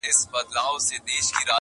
نظم لږ اوږد دی امید لرم چي وې لولی,